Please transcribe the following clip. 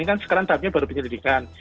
ini kan sekarang tahapnya baru penyelidikan